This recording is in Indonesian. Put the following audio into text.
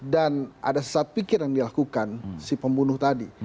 dan ada sesat pikir yang dilakukan si pembunuh tadi